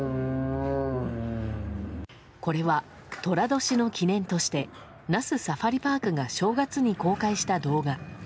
これは寅年の記念として那須サファリパークが正月に公開した動画。